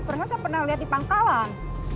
pernah saya pernah lihat di pangkalan